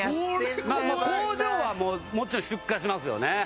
工場はもうもちろん出荷しますよね。